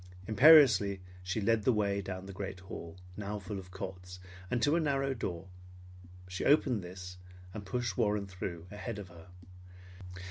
Imperiously she led the way down the great hall, now full of cots, and to a narrow door. She opened this and pushed Warren through ahead of her.